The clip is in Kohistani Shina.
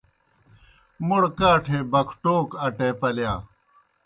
موْڑ کاٹھے بکھٹَوک اٹے پلِیا۔